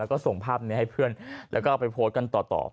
แล้วก็ส่งภาพนี้ให้เพื่อนแล้วก็เอาไปโพสต์กันต่อ